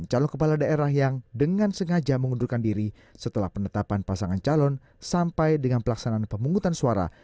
calon kepala daerah yang dengan sengaja mengundurkan diri setelah penetapan pasangan calon sampai dengan pelaksanaan pemungutan suara